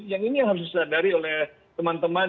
yang ini yang harus disadari oleh teman teman